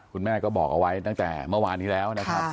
คุณแม่ก็บอกเอาไว้ตั้งแต่เมื่อวานนี้แล้วนะครับ